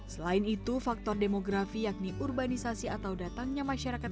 selain itu faktor demografi yakni urbanisasi atau datangnya masyarakat